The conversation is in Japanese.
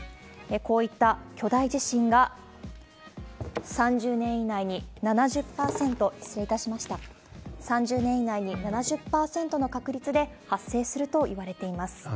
こういった巨大地震が３０年以内に７０％、失礼いたしました、３０年以内に７０％の確率で発生するといわれています。